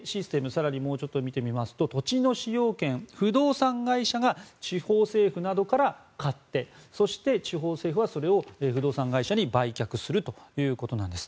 更にもうちょっと見ますと土地の使用権を不動産会社が地方政府などから買ってそして地方政府はそれを不動産会社に売却するということなんです。